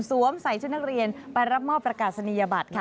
ใส่ชุดนักเรียนไปรับมอบประกาศนียบัตรค่ะ